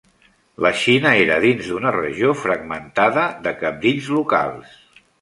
La Xina era dins d'una regió fragmentada de cabdills locals.